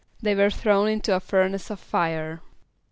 =They were thrown into a furnace of fire.